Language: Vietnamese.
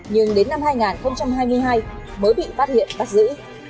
nhưng đến năm hai nghìn hai mươi hai mới bị phát hiện bắt giữ